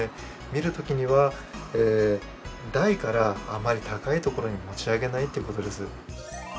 見る時には台からあまり高いところに持ち上げないという事です。